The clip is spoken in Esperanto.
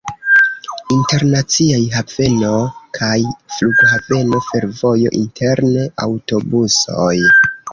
Internaciaj haveno kaj flughaveno, fervojo, interne aŭtobusoj.